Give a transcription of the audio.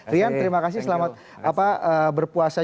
rian terima kasih selamat berpuasa